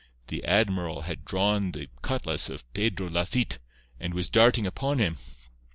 The admiral had drawn the cutlass of Pedro Lafitte, and was darting upon him.